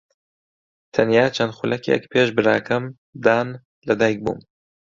تەنیا چەند خولەکێک پێش براکەم دان لەدایکبووم.